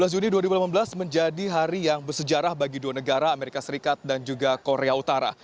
dua belas juni dua ribu delapan belas menjadi hari yang bersejarah bagi dua negara amerika serikat dan juga korea utara